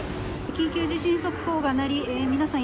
緊急地震速報が鳴り皆さん